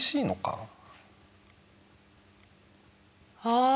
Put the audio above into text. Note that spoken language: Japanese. ああ。